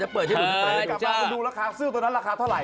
เดี๋ยวกลับมาดูราคาเสื้อตัวนั้นราคาเท่าไหร่